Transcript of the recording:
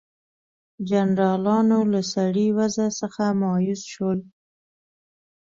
جنرالانو له سړې وضع څخه مایوس شول.